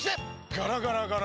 ガラガラガラ。